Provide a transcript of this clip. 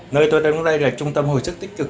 nơi tôi đang ở đây là trung tâm hồi sức tích cực